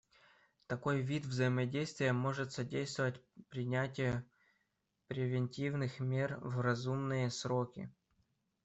Такой вид взаимодействия может содействовать принятию превентивных мер в разумные сроки.